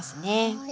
はい。